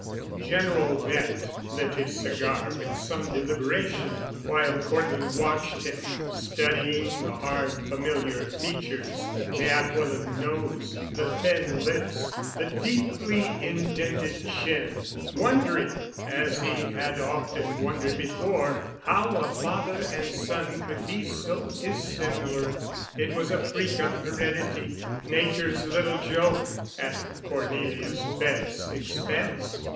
General Bent lit his cigar with some deliberation, while Cortland watched him, studying the hard familiar features, the aquiline nose, the thin lips, the deeply indented chin, wondering, as he had often wondered before, how a father and son could be so dissimilar. It was a freak of heredity, Nature's little joke—at Cornelius Bent's expense.